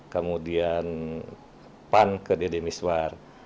kemudian pan ke deddy miswar